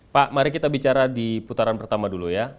pak mari kita bicara di putaran pertama dulu ya